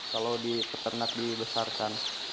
kalau di peternak dibesarkan